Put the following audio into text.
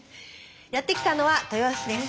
やって来たのは豊洲です。